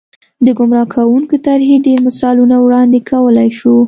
د ګمراه کوونکې طرحې ډېر مثالونه وړاندې کولای شو.